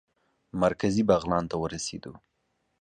مرکزي بغلان ته ورسېدو.